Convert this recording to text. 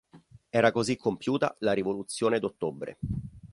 Era così compiuta la Rivoluzione d’Ottobre.